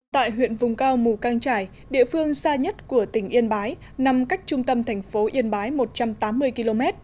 tại huyện vùng cao mù căng trải địa phương xa nhất của tỉnh yên bái nằm cách trung tâm thành phố yên bái một trăm tám mươi km